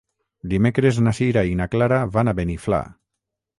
Dimecres na Sira i na Clara van a Beniflà.